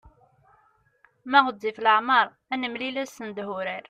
Ma ɣezzif leɛmeṛ ad nemlil ad nessendeh urar.